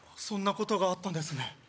そんなことがあったんですね